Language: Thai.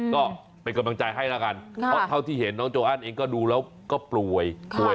ก็เป็นกำลังใจให้แล้วกันเพราะเท่าที่เห็นน้องโจอันเองก็ดูแล้วก็ป่วยป่วย